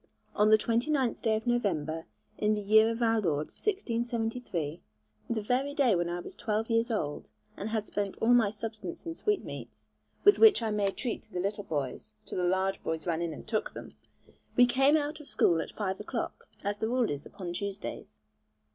On the 29th day of November, in the year of our Lord 1673, the very day when I was twelve years old, and had spent all my substance in sweetmeats, with which I made treat to the little boys, till the large boys ran in and took them, we came out of school at five o'clock, as the rule is upon Tuesdays.